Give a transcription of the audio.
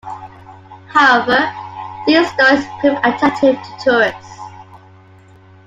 However, these stories proved attractive to tourists.